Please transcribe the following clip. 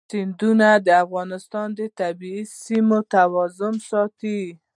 سیندونه د افغانستان د طبعي سیسټم توازن ساتي.